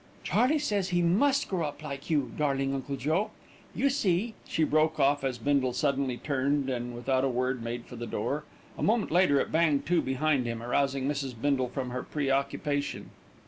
"Charley says he must grow up like you, darling Uncle Joe. You see " She broke off as Bindle suddenly turned and, without a word, made for the door. A moment later it banged to behind him arousing Mrs. Bindle from her pre occupation.